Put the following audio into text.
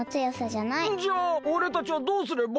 じゃあおれたちはどうすれば？